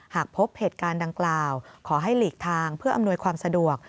หากพบเหตุการณ์ดังกล่าวขอให้หลีกทางเพื่ออำนวยความสะดวก